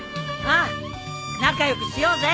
ああ仲良くしようぜ。